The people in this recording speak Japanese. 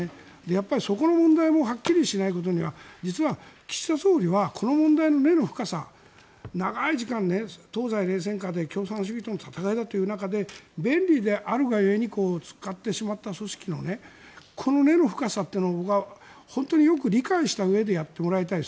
やっぱりそこの問題もはっきりしないことには実は岸田総理はこの問題の根の深さ長い時間、東西冷戦下で共産主義との戦いという中で便利であるが故に使ってしまった組織のこの根の深さを僕は本当に理解したうえでやってもらいたい。